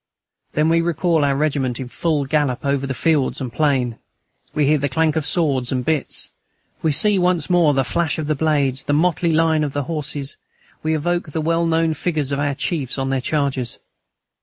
Then we recall our regiment in full gallop over field and plain; we hear the clank of swords and bits; we see once more the flash of the blades, the motley line of the horses; we evoke the well known figures of our chiefs on their chargers.